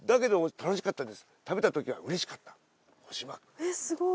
えっすごい。